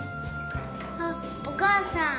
あっお母さん。